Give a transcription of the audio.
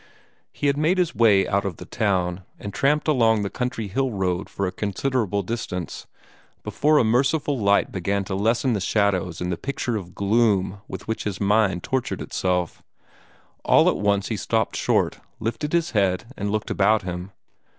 He had made his way out of town, and tramped along the country hill road for a considerable distance, before a merciful light began to lessen the shadows in the picture of gloom with which his mind tortured itself. All at once he stopped short, lifted his head, and looked about him.